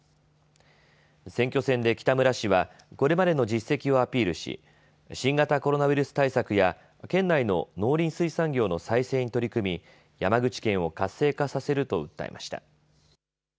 選挙戦で北村氏はこれまでの実績をアピールし新型コロナウイルス対策や県内の農林水産業の再生に取り組み、山口県を活性化させると訴えました。